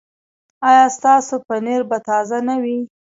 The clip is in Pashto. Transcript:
ایا ستاسو پنیر به تازه نه وي؟